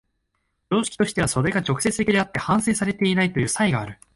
常識としてはそれが直接的であって反省されていないという差異がある。